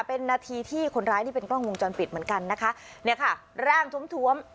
เป็นนาทีที่คนร้ายนี่เป็นกล้องวงจรปิดเหมือนกันนะคะเนี่ยค่ะร่างทวมถวม